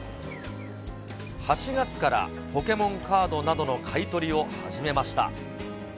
８月からポケモンカードなどの買い取りを始めました。